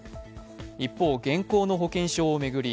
一方、現行の保険証を巡り